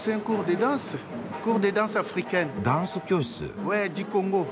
ダンス教室。